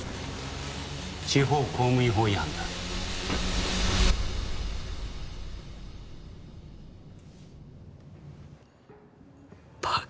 地方公務員法違反だ。